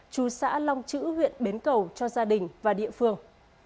chú xã long chữ huyện bến cầu cho gia đình và địa phương